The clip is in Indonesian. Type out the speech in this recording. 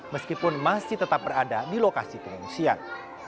meskipun masih tetap berada di lokasi pengungsian